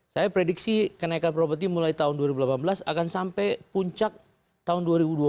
saya prediksi kenaikan properti mulai tahun dua ribu delapan belas akan sampai puncak tahun dua ribu dua puluh